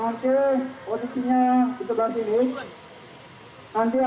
nanti posisinya di depan sini